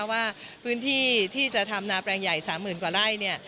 ว่าพื้นที่ที่จะทำนาแปลงใหญ่๓๐๐๐กว่าไร่